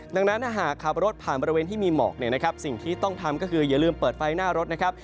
ดังนั้นถ้าหากขับรถผ่านบริเวณที่มีหมอกเนี่ยนะครับสิ่งที่ต้องทำก็คืออย่าลืมเปิดไฟหน้ารถนะครับ